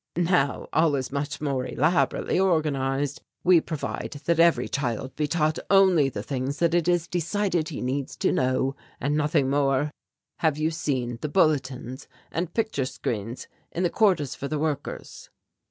Now all is much more elaborately organized; we provide that every child be taught only the things that it is decided he needs to know, and nothing more. Have you seen the bulletins and picture screens in the quarters for the workers?"